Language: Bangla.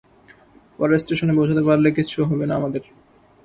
পরের স্টেশনে পৌঁছাতে পারলে, কিচ্ছু হবে না আমাদের।